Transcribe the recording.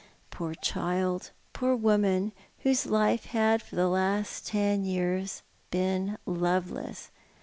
Poor child, poor woman, whose life had, for the last ten years, been loveless!